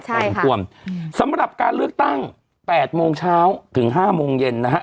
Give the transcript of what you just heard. พอสมควรสำหรับการเลือกตั้งแปดโมงเช้าถึงห้าโมงเย็นนะฮะ